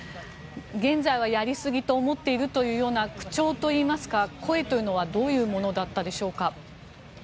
現在は、やりすぎと思っているというような口調といいますか声というのはどういうものだったでしょうか？